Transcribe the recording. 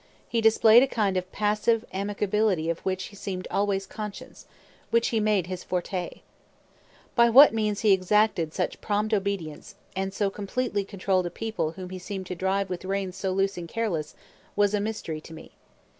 He displayed a kind of passive amiability of which he seemed always conscious, which he made his forte. By what means he exacted such prompt obedience, and so completely controlled a people whom he seemed to drive with reins so loose and careless, was a mystery to me.